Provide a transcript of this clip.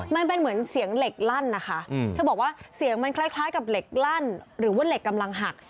มันเป็นเหมือนเสียงเหล็กลั่นนะคะเธอบอกว่าเสียงมันคล้ายกับเหล็กลั่นหรือว่าเหล็กกำลังหัก